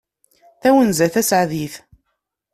Tawenza taseɛdit.